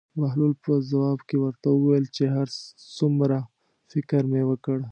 بهلول په ځواب کې ورته وویل چې هر څومره فکر مې وکړ.